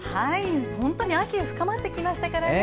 本当に秋が深まってきましたからね。